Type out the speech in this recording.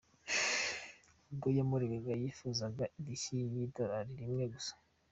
Ubwo yamuregaga, yifuzaga indishyi y’idolari rimwe gusa.